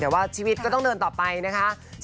แต่ว่าชีวิตก็ต้องเดินต่อไปนะคะ